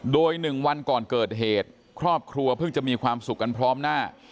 โดย๑วันก่อนเกิดเหตุครอบครัวเพิ่งจะมีความสุขกันพร้อมหน้า